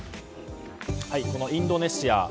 インドネシア